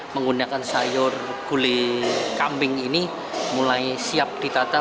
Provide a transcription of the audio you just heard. menggunakan sayur gulai kambing ini mulai siap ditata